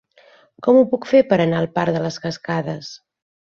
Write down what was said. Com ho puc fer per anar al parc de les Cascades?